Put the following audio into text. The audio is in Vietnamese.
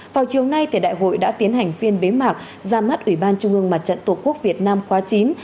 vào chiều nay tại đại hội đã tiến hành phiên bế mạc ra mắt ủy ban trung ương mặt trận tổ quốc việt nam khóa chín